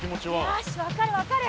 よし分かる分かる。